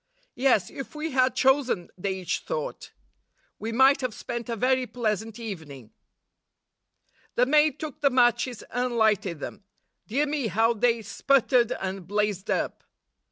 'Yes, if we had chosen,' they each thought, 'we might have spent a very pleasant evening.' The maid took the matches and lighted them; dear me, how they sputtered and blazed up